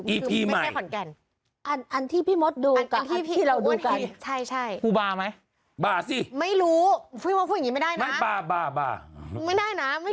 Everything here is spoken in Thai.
อีพีใหม่อันที่พี่มดดูกับอันที่เราดูกันใช่